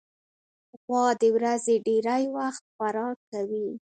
غوا د ورځې ډېری وخت خوراک کوي.